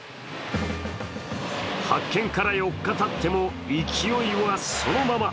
発見から４日たっても勢いはそのまま。